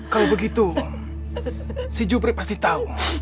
kalau begitu si jupri pasti tahu